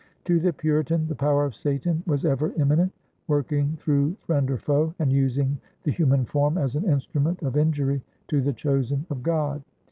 To the Puritan the power of Satan was ever imminent, working through friend or foe, and using the human form as an instrument of injury to the chosen of God.